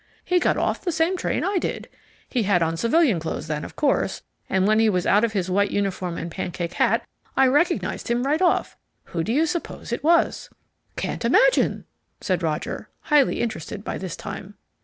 He got off the same train I did. He had on civilian clothes then, of course, and when he was out of his white uniform and pancake hat I recognized him right off. Who do you suppose it was?" "Can't imagine," said Roger, highly interested by this time.